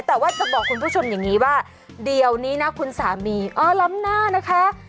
แต่ว่าจะบอกคุณผู้ชมอย่างนี้ว่าเดี๋ยวนี้นะคุณสามีอ๋อล้ำหน้านะคะ